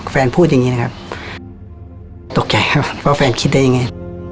พูดอย่างนี้นะครับตกใจครับว่าแฟนคิดได้ยังไง